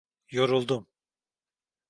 Yoruldum.